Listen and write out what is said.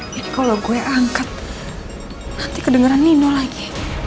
kalau gue angkat nanti kedengeran nino lagi